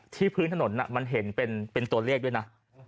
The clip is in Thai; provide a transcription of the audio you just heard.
พื้นถนนมันเห็นเป็นตัวเลขด้วยนะ